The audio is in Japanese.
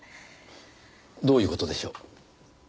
どういう事でしょう？